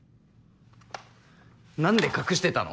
何で隠してたの？